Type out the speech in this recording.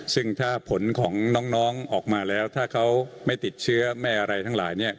ซึ่งถ้าผลของน้องออกมาแล้วถ้าเขาไม่ติดเชื้อไม่อะไรทั้งหลาย